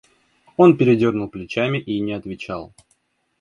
Он передёрнул плечами и не отвечал.